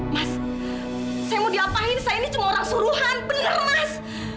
mas saya mau diapain saya ini cuma orang suruhan bener mas